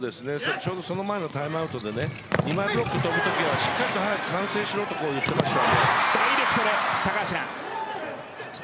その前のタイムアウトで２枚ブロック跳ぶときはしっかりと早く完成しろと言っていましたので。